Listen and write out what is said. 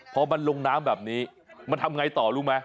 พอมันลงน้ำแบบนี้มันทำไงต่อรู้ไหม